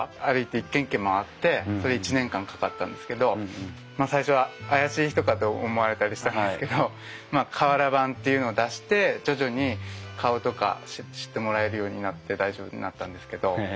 歩いて一軒一軒回ってそれ１年間かかったんですけどまあ最初は怪しい人かと思われたりしたんですけどまあ瓦版っていうのを出して徐々に顔とか知ってもらえるようになって大丈夫になったんですけど。